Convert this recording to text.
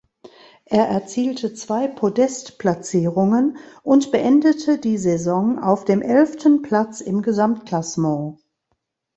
Er erzielte zwei Podest-Platzierungen und beendete die Saison auf dem elften Platz im Gesamtklassement.